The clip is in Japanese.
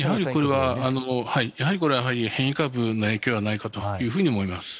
これは変異株の影響ではないかと思います。